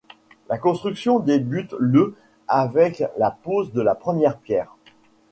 La construction débute le avec la pose de la première pierre.